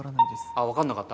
あっわからなかった？